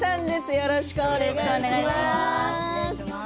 よろしくお願いします。